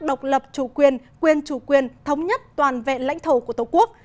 độc lập chủ quyền quyền chủ quyền thống nhất toàn vẹn lãnh thổ của tổ quốc